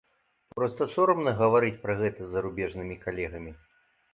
Проста сорамна гаварыць пра гэта з зарубежнымі калегамі.